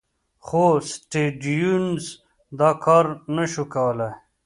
خو سټیونز دا کار نه شو کولای.